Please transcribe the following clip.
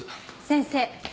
先生。